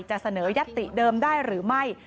จะเสนอยัตติเดิมได้หรือไม่